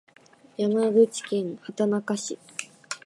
山口県畑中市